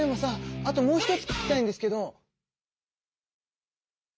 あともう一つ聞きたいんですけど！